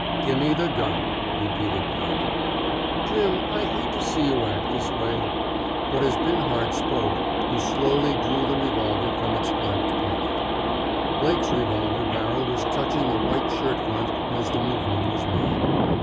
"Gi' me the gun," repeated Blake. "Jim, I hate to see you act this way," but as Binhart spoke he slowly drew the revolver from its flapped pocket. Blake's revolver barrel was touching the white shirt front as the movement was made.